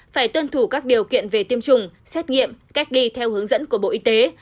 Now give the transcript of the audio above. phải tuân thủ các điều kiện về tiêm chủng xét nghiệm cách ly theo hướng dẫn của bộ y tế